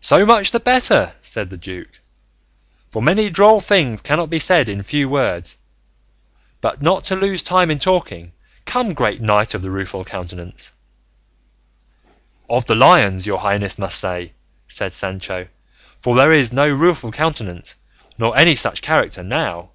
"So much the better," said the duke, "for many droll things cannot be said in few words; but not to lose time in talking, come, great Knight of the Rueful Countenance " "Of the Lions, your highness must say," said Sancho, "for there is no Rueful Countenance nor any such character now."